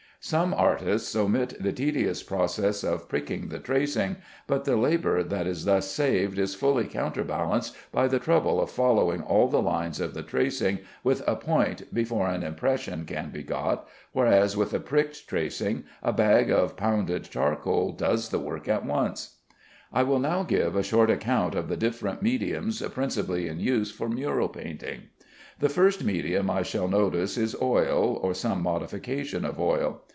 Some artists omit the tedious process of pricking the tracing, but the labor that is thus saved is fully counterbalanced by the trouble of following all the lines of the tracing with a point before an impression can be got, whereas with a pricked tracing a bag of pounded charcoal does the work at once. I will now give a short account of the different mediums principally in use for mural painting. The first medium I shall notice is oil, or some modification of oil.